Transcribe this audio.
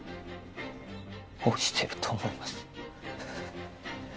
押してると思います